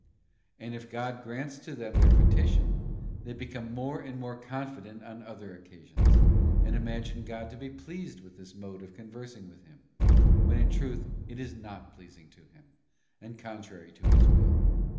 Andif God grants to them their petition, they become more and more confident on other occasions, and imagine God to be pleased with this mode of conversing with Him; when in truth it is not pleasing to Him, and contrary to His will.